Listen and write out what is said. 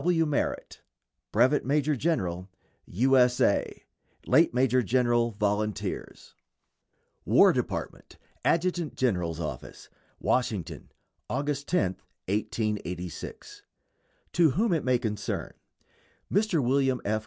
W. MERRITT, Brevet Major General U. S. A. Late Major General Volunteers. WAR DEPARTMENT, ADJUTANT GENERAL'S OFFICE, WASHINGTON, August 10, 1886. To whom it may concern: Mr. William F.